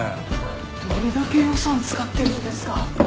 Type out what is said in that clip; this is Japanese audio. どれだけ予算使ってるんですか？